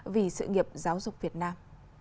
vì sự nghiệp giáo dục việt nam